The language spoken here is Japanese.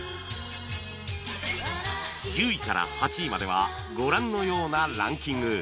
１０位から８位まではご覧のようなランキング